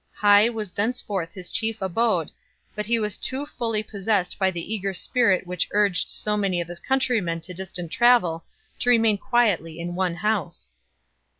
Hy was henceforth his chief abode, but he was too fully possessed by the eager spirit which urged so many of his countrymen to distant travel to remain quietly in one house.